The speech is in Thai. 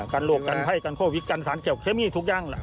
กันโลกกันไพ่กันโควิดกันสารเคมีทุกอย่าง